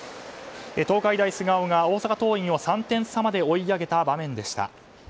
東海大菅生が大阪桐蔭を３点差まで追い上げた場面でした。